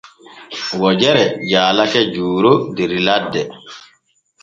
Wojere jaalake Juuro der ladde.